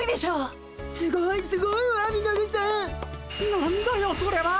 何だよそれは！